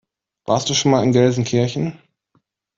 Warst du schon mal in Gelsenkirchen?